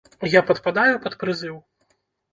Я падпадаю пад прызыў?